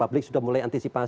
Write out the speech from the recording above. publik sudah mulai antisipasi